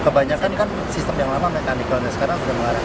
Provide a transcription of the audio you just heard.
kebanyakan kan sistem yang lama mekaniklannya sekarang sudah mengarah